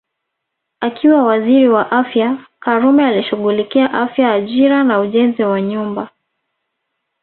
Akiwa Waziri wa Afya Karume alishughulikia Afya Ajira na Ujenzi wa Nyumba